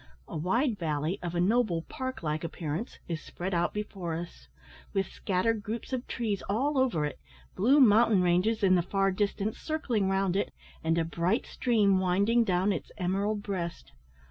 A wide valley, of a noble park like appearance, is spread out before us, with scattered groups of trees all over it, blue mountain ranges in the far distance circling round it, and a bright stream winding down its emerald breast.